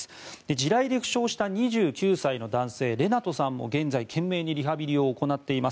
地雷で負傷した２９歳の男性レナトさんも現在懸命にリハビリを行っています。